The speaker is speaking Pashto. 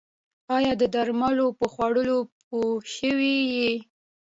ایا د درملو په خوړلو پوه شوئ؟